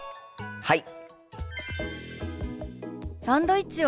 はい！